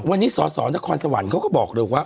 วันนี้สสนครสวรรค์เขาก็บอกเลยว่า